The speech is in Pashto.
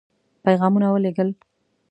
پيغامونه ولېږل.